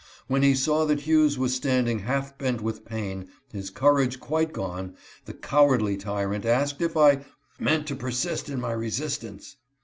When he saw that Hughes was standing half bent with pain, his courage quite gone, the cowardly tyrant asked if I " meant to persist in my resist ance."